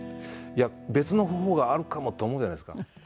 いや別の方法があるかもって思うじゃないですか。